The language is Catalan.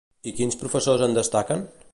I quins professors en destaquen?